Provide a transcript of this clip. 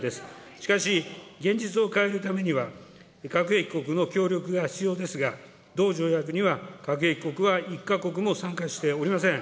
しかし、現実を変えるためには、核兵器国の協力が必要ですが、同条約には核兵器国は一か国も参加しておりません。